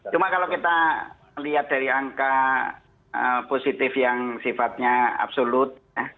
cuma kalau kita lihat dari angka positif yang sifatnya absolut